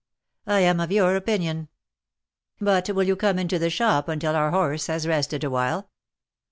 "I am of your opinion. But will you come into the shop until our horse has rested awhile?"